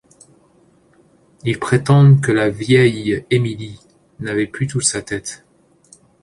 Ils prétendent que la vieille Emily n'avait plus toute sa tête.